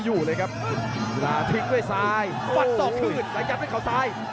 มาครับทุกขยันต่อ